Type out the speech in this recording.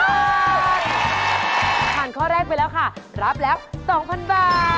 ผ่านข้อแรกไปแล้วค่ะรับแล้ว๒๐๐๐บาท